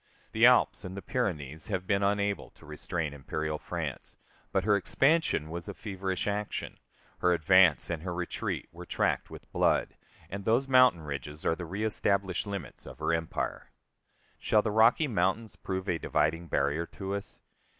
The Alps and the Pyrenees have been unable to restrain imperial France; but her expansion was a feverish action, her advance and her retreat were tracked with blood, and those mountain ridges are the reëstablished limits of her empire. Shall the Rocky Mountains prove a dividing barrier to us?